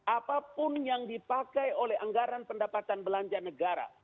apapun yang dipakai oleh anggaran pendapatan belanja negara